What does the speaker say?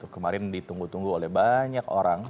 kemarin ditunggu tunggu oleh banyak orang